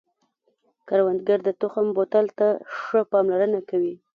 کروندګر د تخم بوتل ته ښه پاملرنه کوي